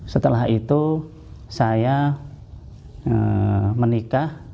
setelah itu saya menikah